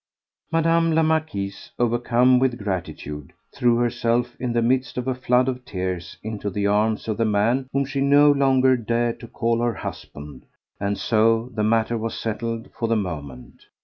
Madame la Marquise, overcome with gratitude, threw herself, in the midst of a flood of tears, into the arms of the man whom she no longer dared to call her husband, and so the matter was settled for the moment.